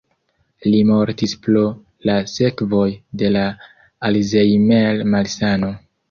Li mortis pro la sekvoj de la Alzheimer-malsano.